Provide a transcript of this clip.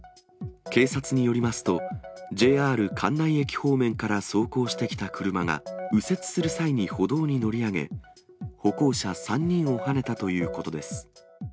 警察によりますと、ＪＲ関内駅方面から走行してきた車が、右折する際に歩道に乗り上げ、歩行者３人をはねたということです。